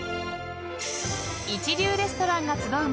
［一流レストランが集う街